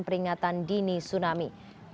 peringatan dini tsunami